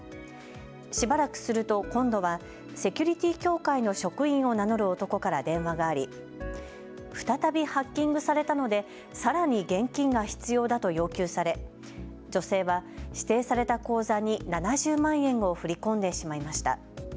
しばらくすると今度はセキュリティー協会の職員を名乗る男から電話があり再びハッキングされたのでさらに現金が必要だと要求され、女性は指定された口座に７０万円を振り込んでしまいました。